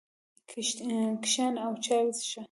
کښېنه او چای وڅښه.